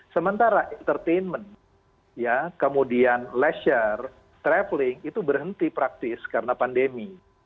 sementara entertainment kemudian leisure traveling itu berhenti praktis karena pandemi